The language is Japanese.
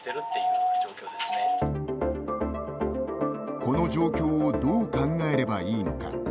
この状況をどう考えればいいのか。